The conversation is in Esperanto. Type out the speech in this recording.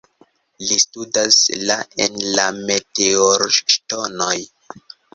Li studas la en la meteorŝtonoj.